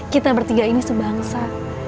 kita bertiga ini sebangsa